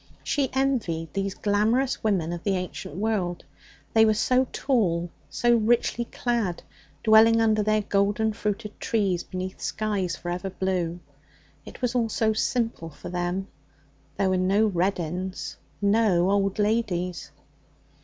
She envied these glamorous women of the ancient world. They were so tall, so richly clad, dwelling under their golden fruited trees beneath skies for ever blue. It was all so simple for them. There were no Reddins, no old ladies.